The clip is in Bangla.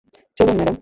চলুন, ম্যাডাম।